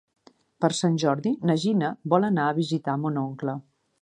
Per Sant Jordi na Gina vol anar a visitar mon oncle.